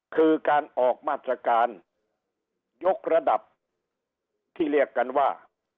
คือการออกมาตรการยกระดับที่เรียกกันว่า